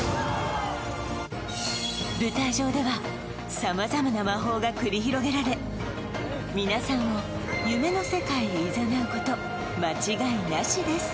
舞台上ではさまざまな魔法が繰り広げられ皆さんを夢の世界へいざなうこと間違いなしです